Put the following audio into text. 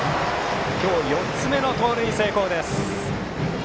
今日４つ目の盗塁成功です。